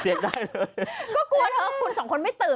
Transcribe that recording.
เสียงได้ก็กลัวเธอคุณสองคนไม่ตื่น